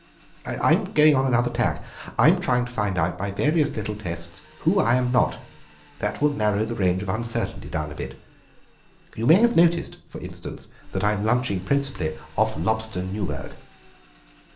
I'm going on another tack; I'm trying to find out by various little tests who I am not—that will narrow the range of uncertainty down a bit. You may have noticed, for instance, that I'm lunching principally off lobster Newburg."